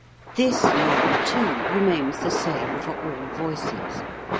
This law, too, remains the same for all voices.